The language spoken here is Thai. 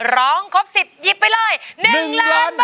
ร้องครบ๑๐หยิบไปเลย๑ล้านบาท